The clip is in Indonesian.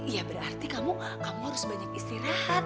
ya berarti kamu harus banyak istirahat